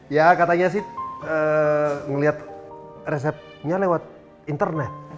ya katanya sih ngeliat resepnya lewat internet